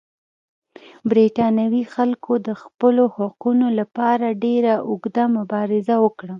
برېټانوي خلکو د خپلو حقونو لپاره ډېره اوږده مبارزه وکړه.